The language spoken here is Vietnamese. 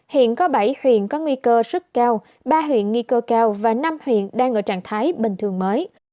hiện có bảy huyện có nguy cơ rất cao ba huyện nghi cơ cao và năm huyện đang ở trạng thái bình thường mới